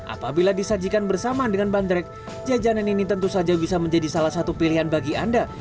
apabila disajikan bersama dengan bandrek jajanan ini tentu saja bisa menjadi salah satu pilihan bagi anda